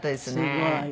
すごい。